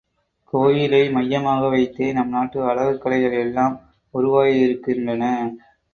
கோயிலை மய்யமாக வைத்தே நம் நாட்டு அழகுக் கலைகள் எல்லாம் உருவாகியிருக்கின்றன்.